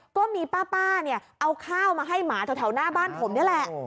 วันนี้ป้าเอาข้าวมาให้หมาแถวหน้าบ้านผมนี่แหละ